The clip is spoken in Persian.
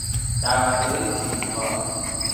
دوندهی تیزپا